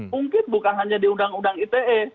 mungkin bukan hanya di undang undang ite